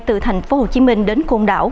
từ thành phố hồ chí minh đến cuộn đảo